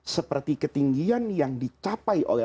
seperti ketinggian yang dicapai oleh